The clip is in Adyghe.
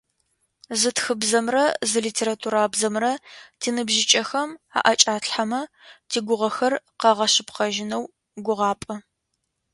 Зы тхыбзэмрэ зы литературабзэмрэ тиныбжьыкӀэхэм аӏэкӏатлъхьэмэ тигугъэхэр къагъэшъыпкъэжьынэу гугъапӏэ.